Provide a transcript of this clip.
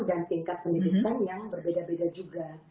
dan tingkat pendidikan yang berbeda beda juga